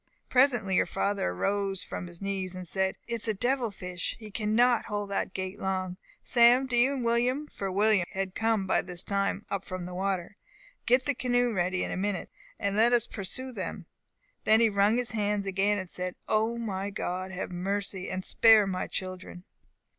Presently your father rose from his knees, and said, 'It is a devil fish! He cannot hold that gait long. Sam, do you and William (for William had by this time come up from the water), get the canoe ready in a minute, and let us pursue them;' then he wrung his hands again, and said, 'O, my God, have mercy, and spare my children!